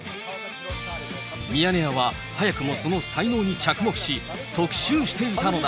ミヤネ屋は、早くもその才能に着目し、特集していたのだ。